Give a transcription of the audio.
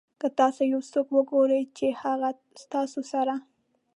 که تاسو یو څوک وګورئ چې هغه ستاسو سره.